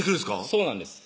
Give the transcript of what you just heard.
そうなんです